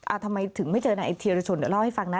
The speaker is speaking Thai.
อ่าทำไมถึงไม่เจอนางไอ้เทียรชนเดี๋ยวเล่าให้ฟังนะ